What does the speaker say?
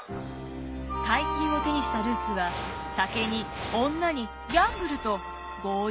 大金を手にしたルースは酒に女にギャンブルと豪遊する日々。